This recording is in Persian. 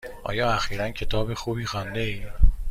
آیا اخیرا کتاب خوبی خوانده ای؟